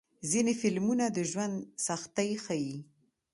ځینې فلمونه د ژوند سختۍ ښيي.